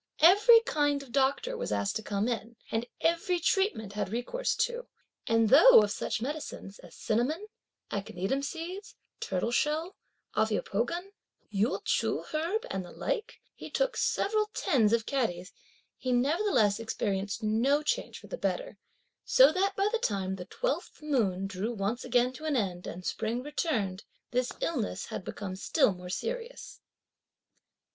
Every kind of doctor was asked to come in, and every treatment had recourse to; and, though of such medicines as cinnamon, aconitum seeds, turtle shell, ophiopogon, Yü chü herb, and the like, he took several tens of catties, he nevertheless experienced no change for the better; so that by the time the twelfth moon drew once again to an end, and spring returned, this illness had become still more serious.